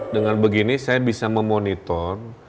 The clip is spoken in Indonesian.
dengan begini saya bisa memonitor